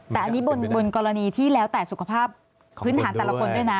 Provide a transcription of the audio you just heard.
แต่อันนี้บนกรณีที่แล้วแต่สุขภาพพื้นฐานแต่ละคนด้วยนะ